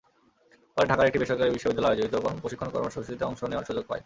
পরে ঢাকার একটি বেসরকারি বিশ্ববিদ্যালয় আয়োজিত প্রশিক্ষণ কর্মসূচিতে অংশ নেওয়ার সুযোগ পায়।